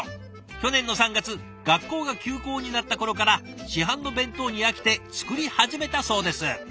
去年の３月学校が休校になった頃から市販の弁当に飽きて作り始めたそうです。